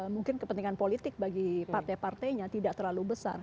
mungkin kepentingan politik bagi partai partainya tidak terlalu besar